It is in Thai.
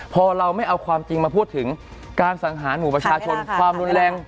พอเราไม่เอาความจริงมาพูดถึงการสังหารหมู่ประชาชนความรุนแรง